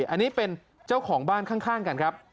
อันนี้เป็นเจ้าของบ้านข้างกันครับ